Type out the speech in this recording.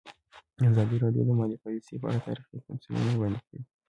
ازادي راډیو د مالي پالیسي په اړه تاریخي تمثیلونه وړاندې کړي.